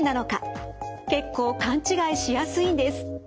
結構勘違いしやすいんです。